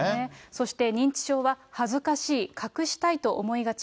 そして、認知症は恥ずかしい、隠したいと思いがち。